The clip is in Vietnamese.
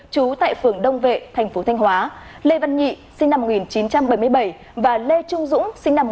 trú tại phường đông vệ thành phố thanh hóa lê văn nhị sinh năm một nghìn chín trăm bảy mươi bảy và lê trung dũng sinh năm một nghìn chín trăm tám mươi